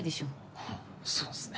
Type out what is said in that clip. ははっそうっすね。